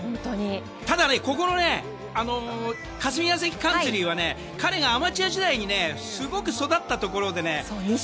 ただ、ここの霞ヶ関カンツリーは彼がアマチュア時代にね育ったところでね。